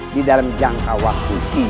di dalam jangka waktu tiga hari